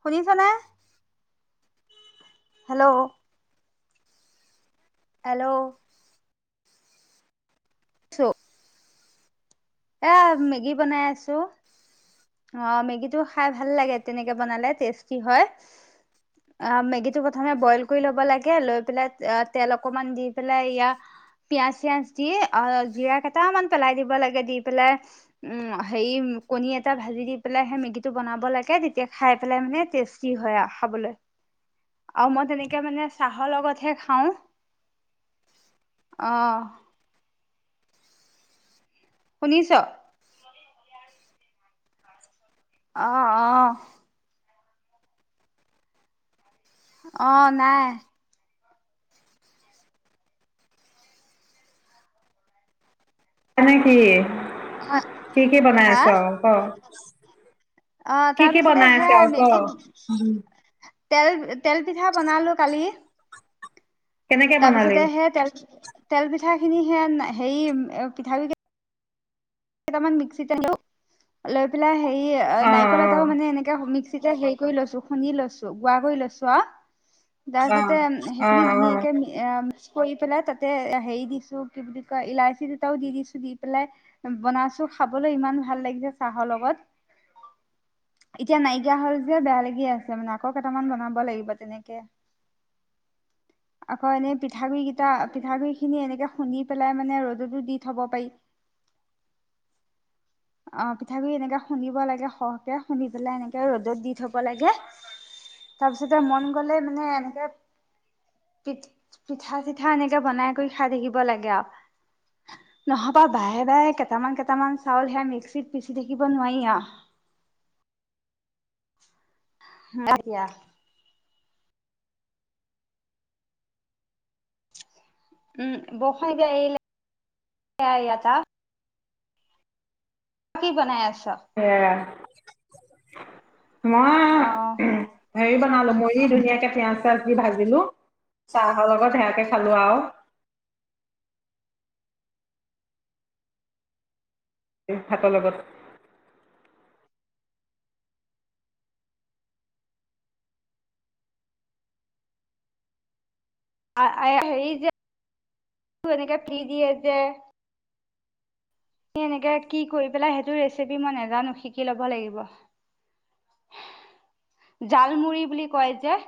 শুনিছনে hello. Hello চ' এ মেগি বনাই আছো, অ মেগীটো খাই ভাল লাগে তেনেকে বনালে টেষ্টি হয় মেগীটো প্ৰথমে বইল কৰি লব লাগে। লৈ পেলাই তেল অকমান দি পেলাই ইাত পিয়াজ চিয়াজ দি জিৰা কেইটামান পেলাই দিব লাগে দি। পেলাই উ হেৰি কণী এটা ভাজি দি পেলাই সেই মেগীটো বনাব লাগে। তেতিয়া খাই পেলাই মানে টেষ্টি হয় আৰু খাবলৈ। আও মই তেনেকে মানে চাহৰ লগতহে খাওঁ, আহ শুনিছ? অ অ। অ নাই। ন নেকি? অ' কি কি বনাই হা আছ ক, অ কি কি তাৰপিছতে বনাই আছ সেয়া ক। মেগী তেল তেল পিঠা বনালো, কালি। কেনেকে বনালি তপিছতে হে তেল। তেল পিঠাখিনি সেয়া হেৰি পিঠাবু। কেইটামান মিক্সিততেলো লৈ পেলাই সেই। অ নাৰিকল এটাও মানে এনেকে। তেতিয়া হেৰি কৰি লৈছো খুন্দি লৈছো গোৱা কৰি লৈছো অ। তাৰ অ অ পিছতে অ সেইখিনি অ ধুনীয়াকে। কৰি পেলাই তাতে হেৰি দিছো, কি বুলি কয় ইলাচি দুটাও দি দিছো দি পেলাই। বিনাইছো খাবলৈ ইমান ভাল লাগিছে, চাহৰ লগত এতিয়া নাইকিয়া হল যে বেয়া লাগি আছে মানে। আকৌ কেইটামান বনাব লাগিব তেনেকে আকৌ এনে পিঠাগুৰি কেইটা পিঠা ‍ গুৰিখিনি এনেকে খুন্দি পেলাই মানে ৰ'দতো দি থব পাৰি। অ পিঠাগুৰি এনেকে শুনিব লাগে সহকে শুনি পেলাই এনেকে ৰ'দত দি থব লাগে তাৰ পিছতে মন গলে মানে এনেকে পিঠা চিঠা এনেকে বনাই কৰি খাই থাকিব লাগে আৰু নহবা বায়ে বায়ে। কেইটামান কেইটামান চাউল সে মিক্সিত পিচি থাকিব নোৱাৰি অ। [unintelligible] উম বৰসাই যে ইয়াৰ পা। [unintelligible] কি বনাই আছ? [unintelligible] [inaudible] মই অ উ হেৰি বনালো মইয় ধুনীয়াকে পিয়ঁয়াজ চিয়য়াজ দি ভাজিলো চাহৰ লগত সেয়াকে খালো আৰু ভাতৰ লগত হেৰি যে এনেকে ফ্ৰী দিয়ে যে। এনেকে কি কৰি পেলাই সেইটো ৰেচিপি মই নাজানো শিকি লব লাগিব জাল মুৰি বুলি কয় যে।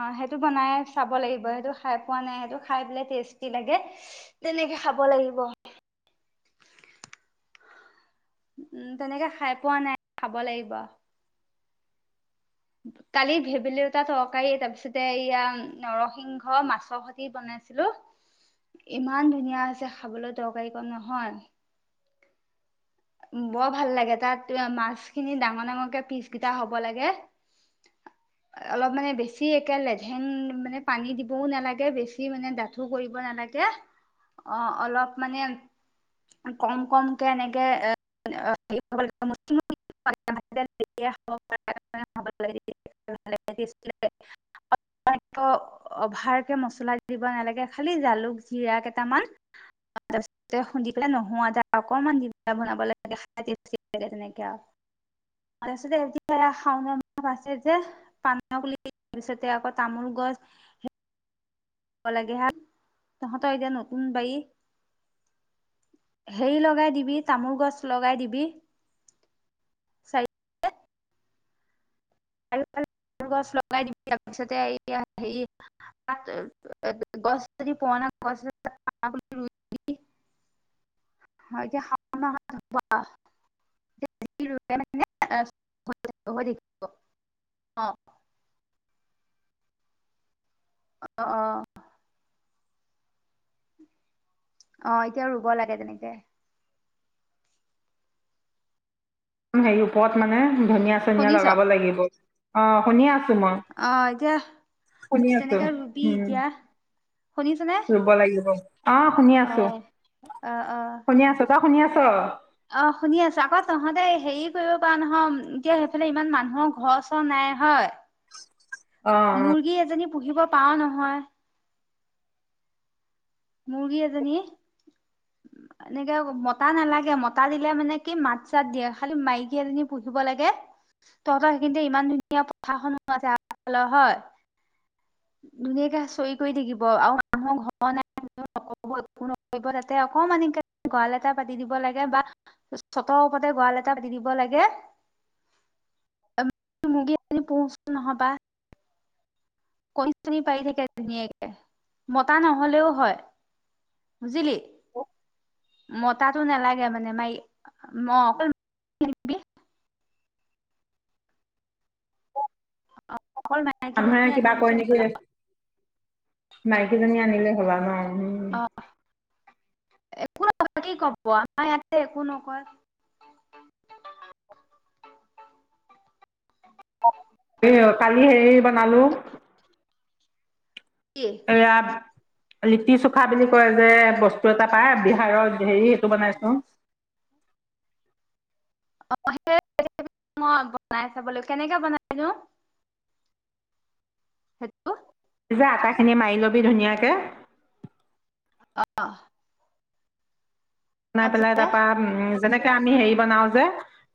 অ সেইটো বনাই চাব লাগিব সেইটো খাই পোৱা নাই সেইটো খাই পেলাই টেষ্টি লাগে তেনেকে খাব লাগিব। উম তেনেকে খাই পোৱা নাই খাব লাগিব। কালি ভেবেলী লটা তৰকাৰী তাৰ পিছতে ইয়া নৰসিংহ মাছৰ সতি বনাইছিলো, ইমান ধুনীয়া হৈছে খাবলৈ তৰকাৰী ক নহয় বৰ ভাল লাগে তাত মাছ খিনি ডাঙৰ ডাঙৰকে পিচগিটা হব লাগে। অলপ মানে বেছি একে লেধেন মানে পানী দিবও নালাগে বেছি মানে ডাঠু কৰিব নালাগে অ অলপ মানে কম কমকে এনেকে এ হে হব লাগে। অভাৰকে মছলা দিব নালাগে খালি জালুক জিৰা কেইটামান খুন্দি পেলাই, তাৰ পিছৰে নহৰু আদা অকমাণ দি পেলাই বনাব লাগে আও। তাৰ পিছৰে শাওনা মাহ আছে যে পানক তাৰপিছতে আকৌ তামোল গছ। ল লাগে হ তহঁতৰ এতিয়া নতুন বাৰী হেৰি লগাই দিবি তামোল গছ লগাই দিবি চাৰি। চাৰি ফালে তামোল গছ লগাই দিবি তাৰপিছতে হে তাত গছ যদি পোৱা গছ যদি পুৰণা গছ ৰুই দিবি। হয় এতিয়া শাওন মাহ মান হৈ থাকিব অহ। আহ অ। অ এতিয়াও ৰুব লাগে তেনেকে। সে ওপৰত মানে। ধনিয়া চনিয়া লগাব লাগিব। অ শুনিয় আছো। মই আহ এতিয়া শুনি আছো তেনেকে ৰুবি উম এতিয়া। শুনিছনে ৰুব লাগিব অ শুনি অ আছো অ অ শুনি আছো, তই? শুনি আছ। অ শুনি আছো আকৌ তহতে হেৰি কৰিব পৰা নহয় এতিয়া সেইফালে ইমান মানুহৰ ঘৰ চৰ নাই অ হয়। মুৰ্গী এজনী। পুহিব পাৰ নহয়। মুৰ্গী এজনী এনেকে মতা নালাগে মতা দিলে মানে কি মাত চাত দিয়ে খালি মাইকী এজনী পুহিব লাগে তহঁতৰ সেইখিনিতে ইমান ধুনীয়া পথাৰ খনো আছে আগফালে, হয়। ধুনীয়াকে চৰি কৰি থাকিব আৰু মানুহৰ ঘৰ ন নকব এক নকৰিব তাতে অকমান একে গঁৰাল এটা পাতি দিব লাগে বা ছতৰ ওপতে গঁৰাল এটা পাতি দিব লাগে মুৰ্গী, পোচ নহবা। কণী চনি পাৰি থাকে ধুনীয়াকে মতা নহলেও হয় বুজিলি? মতাতো নালাগে মানে মাই। ম অ অকল মানুহে মাইকীজনী কিবা কয় আনিলেই নেকি হ'ল মাইকীজনী আনিলে হবা ন উম একো নহয় কি কব আমাৰ ইয়াতে একো নকয় এ অ কালি সেৰিব মানুহ কি এয়াত লিটি চুখা বুলি কয় যে বস্তু এটা পাই বিহাৰৰ হেৰি এইেইটো বনাইছো। অ সেই মই বনাই চাব লাগিব কেনেকে বনাই নো? সেইটো? যে আটা খিনি মাৰি লবি ধুনীয়াকে অ বনাই পেলাই তাপা উম যেনেকে আমি হেৰি বনাও যে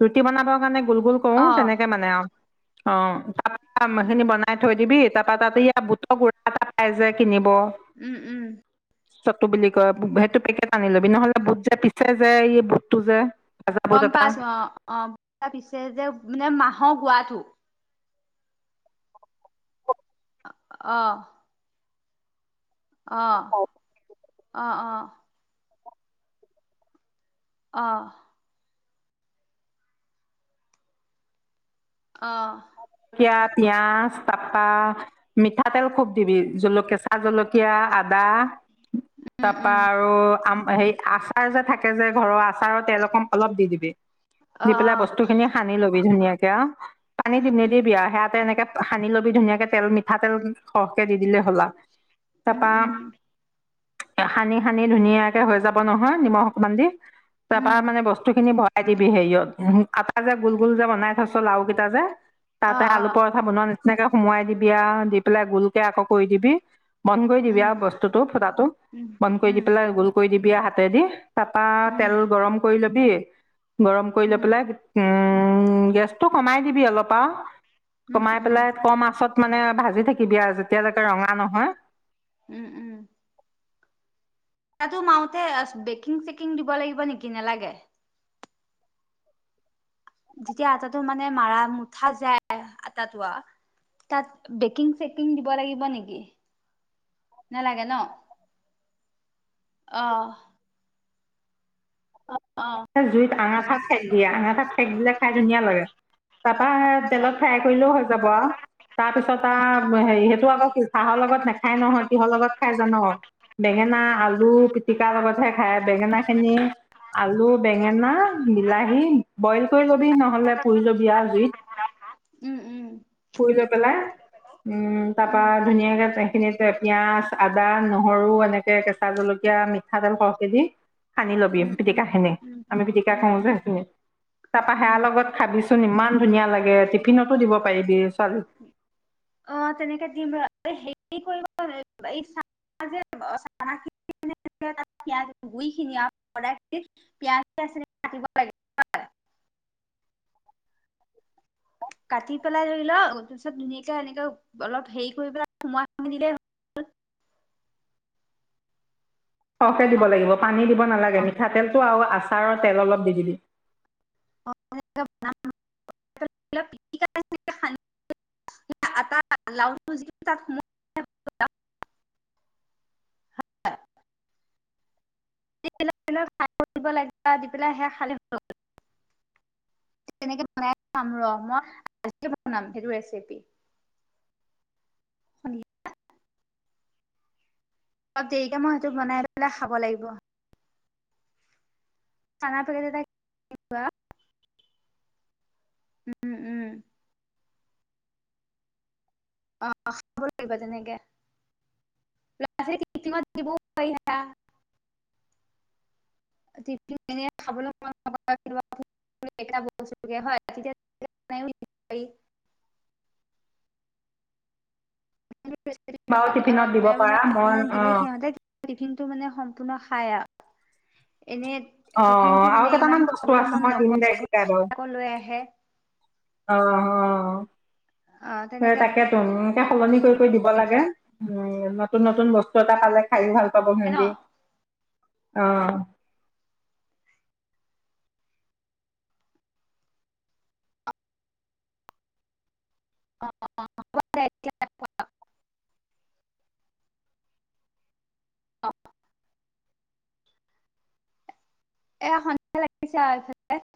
ৰুটি বনাব কাৰণে গোল গোল কৰো অ' তেনেকে মানে আৰু। অ আটা উম, খিনি বনাই থৈ দিবি তাত তাতে ইয় বুটৰ গুৰা এটা পাই যায় কিনিব। উম উম চটু বুলি কয় সেইটো পেকেট আনি ল'বি নহলে। বুট যে পিছে যে এই বুটটো যে, ভাজা বুট গম পাই এটা আছো অ অ পিছে যে মানে মাহ হ গোৱাটো। অ অ অ অ অহ অহ জলকীয়া পিয়াজ তাৰপা মিঠাতেল খুব দিবি জলকীয়া কেঁচা জলকীয়া আদা উম, তাৰাপা উম, আৰু আম হে আচাৰ যে থাকে যে ঘৰৰ আচাৰৰ তেল অকম অলপ দি দিবি। দি অ', পেলাই অ', বস্তু খিনি সানি লবি দি ধুনিয়াকে আৰু পানী দি‌ উম, উম, নিদিবি আৰু সেয়াতে এনেকে সানি ল'বি ধুনীয়াকে তেল মিঠাতেল সৰহকে দি দিলে হ'ল আও। উম, তাৰপৰা উম, সানি সানি ধুনীয়াকে হৈ যাব নহয় নিমখ অকমান দি তাৰ উম, পৰাৰা মানে বস্তু খিনি ভৰাই দিবি হেৰিয়ত কটা যে গোল গোল যে বনাই থৈছো লাও কেইটা যে। তাতে অ', আলু অ', পৰঠা বনোৱা নিচিনা এনেকে সোমোৱাই দিবি আৰু দি পেলাই গোলকে আকৌ কৰি দিবি বন্ধ কৰি দিবি উম, আৰু বস্তুটো ফুটাটো উম, বন্ধ কৰি দি উম, পেলাই গোল কৰি দিবি। বিয়া হাতে দি তা পা উম, তেল গৰম কৰি লৈ দিয়ে গৰম কৰি লৈ উম, পেলাই উ উম গেছটো কমাই দিবি অলপ। পা উম, কমাই উম, পেলাই কম আছত, মানে ভাজি থাকিবি আৰু যেতিয়ালৈকে ৰঙা নহয়। উম উম আটাতো মাওতে বেকিং চেকিং দিব লাগিব নেকি নেলাগে যেতিয়া আটাতো মানে মাৰা মুঠা যায় আটাতো তাত বেকিং চেকিং দিব লাগিব নেকি নালাগে ন অ জুইত আঙাঠা হয়ে [unintelligible] আঙাঠাত হেক দিলে খাই ধুনীয়া লাগে তাপা হে তেলত ফ্ৰাই কৰিলেও হয় যাব আও তাৰ পিছত আৰু হেৰি সেইটো আকৌ চাহৰ লগত নাখাই নহয় কিহৰ লগত খাই জান বেঙেনা আলু পিটিকা লগতহে খাই বেঙেনা খিনি আলু বেঙেনা বিলাহী বইল কৰিব নহলে পুৰিলবি আও জুইত উম উম পুৰি লৈ পেলাই উম তাপা উম ধুনীয়াকে সেইখিনিত পিঁয়াজ আদা নহৰু এনেকে কেঁচা জলকীয়া মিঠাতেল সৰহকে দি সানি লবি উম উম পিটিকা খিনি উম আমি পিটিকা উম কৰু উম যে সেইখিনি তাপা উম সেয়া লগত খাবিচোন ইমান ধুনীয়া লাগে টিফিনতো দিব পাৰিবি ছোৱালীক অ তেনেকে দিম ৰ হেৰি কৰিব এই যোজ গু খিনি পাজ কাটিব লাগে হয় [unintelligible] কাটি পেলাই ধৰি ল তাৰপিছত ধুনীয়াকে এনেকে অলপ হেৰি কৰি পেলাই সোমাই দিলেই হল সৰহকে দিব লাগিব পানী দিব নালাগে মিঠাতেলটো আৰু আচাৰৰ তেল অলপ দি দিবি আটা লাৰুটো যিহেতু তাত সুমোই হয় [unintelligible] সানি দিব লাগিব দি পেলাই সেয়া নাই [unintelligible] তেনেকে বনাই খোৱাম ৰ মই আজিয়েই বনাম সেইটো ৰেচিপি শুনিছা অপ দেৰিকে মই সেইটো বনাই পেলাই খাব লাগিব চানা পেকেট এটা কিনি লোৱা উম উম অ খাব লাগিব তেনেকে বেঙেনা পিটিকাত দিবও পাৰি সেয়া টিফিন নিনিলে খাবলৈ হয় বস্ততিয়া নিব পাৰি [unintelligible] নতুন নতুন ৰেচেপি বাৰু বিলাক টিফিনত দিব পাৰা বনাই মই বনাই দিলে অঁ সিহঁতি টিফিন টো মানে সম পোৰা খায় অ [unintelligible] এনেই অঁ টিফিনটো আৰু মানে কেইটামান ইমান বস্তু খাবলৈ আছে মন মই দিম দে শিকাই বাৰু নকৰে লৈ আহে অ আহ সে তেনেকে তাকেটো এনেকে সলনি কৰি কৰি দিব লাগে নতুন নতুন বস্ত জতা পালে খাই ভাল পাব ন সিহঁতি আহ অঅঅঅঅঅঅ এতিয়া অঅঅঅঅঅ [unintelligible] অ [unintelligible] এ সন্ধিয়া লাগিছে আৰু এইফালে